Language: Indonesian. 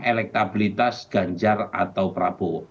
elektabilitas ganjar atau pranowo